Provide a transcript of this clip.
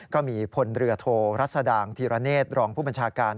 ก็มีพลเรือโทรัศดางธีรเนศรองผู้บัญชาการ